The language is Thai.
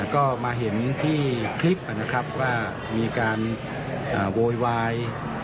ก็มาเห็นที่คลิปนะครับว่ามีการโวยวาย